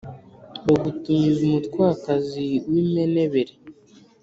Bagatumiz umutwákazi w ímpenébeere